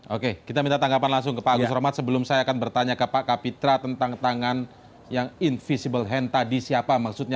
oke kita minta tanggapan langsung ke pak agus romat sebelum saya akan bertanya ke pak kapitra tentang tangan yang invisible hand tadi siapa maksudnya